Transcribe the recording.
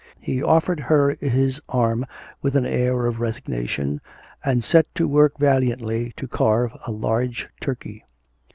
He offered her his arm with an air of resignation, and set to work valiantly to carve a large turkey.